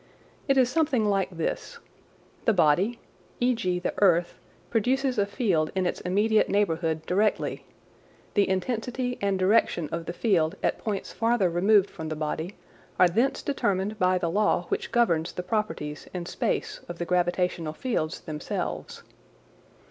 It is something like this: The body (e.g. the earth) produces a field in its immediate neighbourhood directly; the intensity and direction of the field at points farther removed from the body are thence determined by the law which governs the properties in space of the gravitational fields themselves.